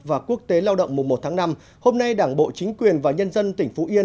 và quốc tế lao động mùa một tháng năm hôm nay đảng bộ chính quyền và nhân dân tỉnh phú yên